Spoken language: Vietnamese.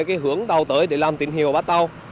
cái hướng tàu tới để làm tình hiệu bắt tàu